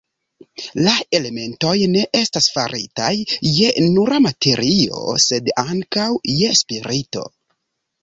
La elementoj ne estas faritaj je nura materio, sed ankaŭ je spirito.